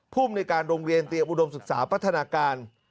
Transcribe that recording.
ภูมิในการโรงเรียนเตรียมอุดมศึกษาพัฒนาการ